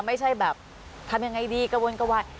ไม่ใช่แบบทำยังไงดีกระวนกระวาย